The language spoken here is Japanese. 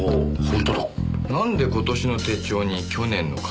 なんで今年の手帳に去年のカバーを？